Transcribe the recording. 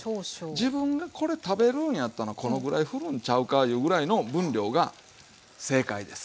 自分がこれ食べるんやったらこのぐらいふるんちゃうかいうぐらいの分量が正解です。